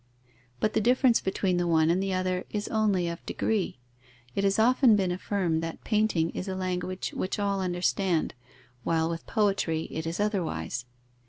But the difference between the one and the other is only of degree. It has often been affirmed that painting is a language which all understand, while with poetry it is otherwise.